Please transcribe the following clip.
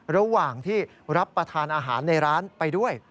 ระหว่างที่รับประทานอาหารในร้านไปด้วย